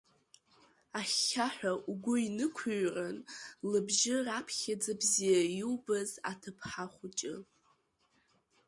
Ахьхьаҳәа угәы инықәыҩрын лыбжьы раԥхьаӡа бзиа иубаз аҭыԥҳа хәыҷы…